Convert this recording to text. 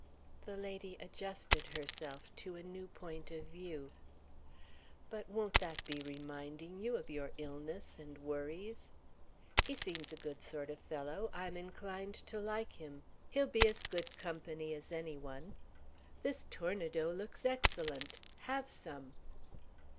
The lady adjusted herself to a new point of view. "But won't that be reminding you of your illness and worries?" "He seems a good sort of fellow.... I'm inclined to like him. He'll be as good company as anyone.... This TOURNEDOS looks excellent. Have some."